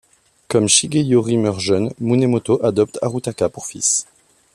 Comme Shigeyori meurt jeune, Munemoto adopte Harutaka pour fils.